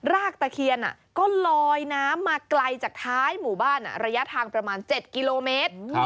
กตะเคียนก็ลอยน้ำมาไกลจากท้ายหมู่บ้านระยะทางประมาณ๗กิโลเมตร